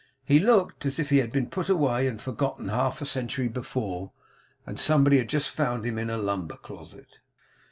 He looked as if he had been put away and forgotten half a century before, and somebody had just found him in a lumber closet.